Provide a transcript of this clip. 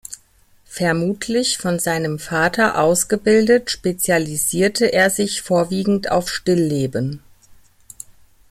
Vermutlich von seinem Vater ausgebildet, spezialisierte er sich vorwiegend auf Stillleben.